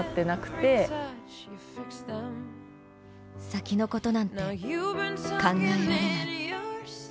先のことなんて、考えられない。